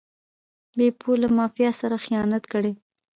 بیپو له مافیا سره خیانت کړی و.